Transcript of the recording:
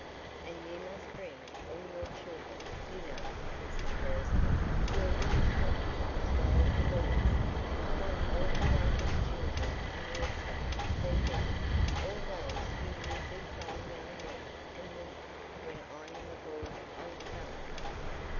"And you must bring all your children, you know, Mrs. Poyser; your little Totty, as well as the boys. I want all the youngest children on the estate to be there—all those who will be fine young men and women when I'm a bald old fellow."